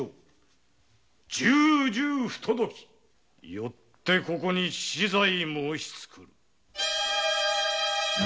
よってここに死罪申しつくる！